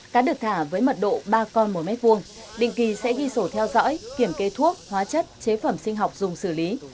cá được thả với mật độ ba con một m hai định kỳ sẽ ghi sổ theo dõi kiểm kê thuốc hóa chất chế phẩm sinh học dùng xử lý